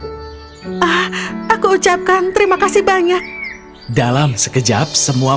seperti mutiara bahwa ini untuk adikmu ah aku ucapkan terima kasih banyak dalam sekejap semua